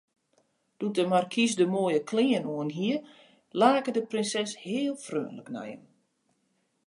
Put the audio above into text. Doe't de markys de moaie klean oanhie, lake de prinses heel freonlik nei him.